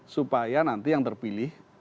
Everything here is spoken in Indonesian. supaya nanti yang terpilih